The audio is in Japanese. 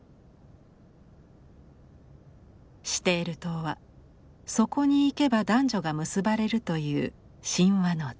シテール島はそこに行けば男女が結ばれるという神話の地。